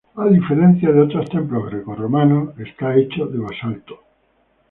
A diferencia de otros templos grecorromanos está hecho de basalto.